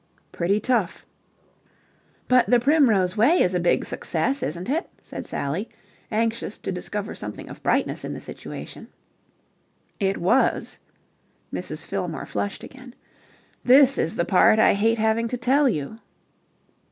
"Pretty tough." "But 'The Primrose Way' is a big success, isn't it?" said Sally, anxious to discover something of brightness in the situation. "It was." Mrs. Fillmore flushed again. "This is the part I hate having to tell you."